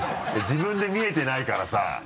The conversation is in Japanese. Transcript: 自分で見えてないからさ。